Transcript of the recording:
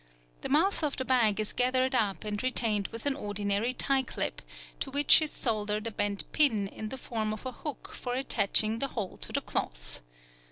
The mouth of the bag is gathered up and retained with an ordinary tie clip to which is soldered a bent pin in the form of a hook for attaching the whole to the cloth.